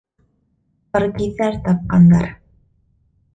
Ҡаргиҙәр тапҡандар.